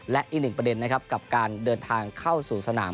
และอีกหนึ่งประเด็นนะครับกับการเดินทางเข้าสู่สนาม